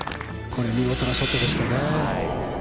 これは見事なショットですよね。